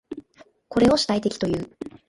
これを主体的という。